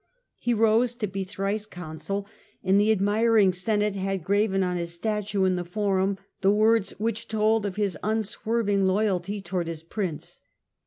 He rose to be thrice consul, and the admiring Senate had graven on his statue in the Forum the words which told of his unswerving loyalty towards his prince.